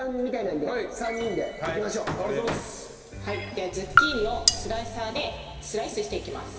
ではズッキーニをスライサーでスライスしていきます。